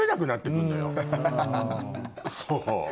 そう。